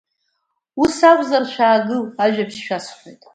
Ус акәзар, шәаагыл, ажәабжь шәасҳәоит.